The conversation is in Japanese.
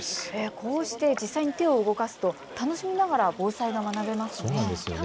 こうして実際に手を動かすと楽しみながら防災が学べますね。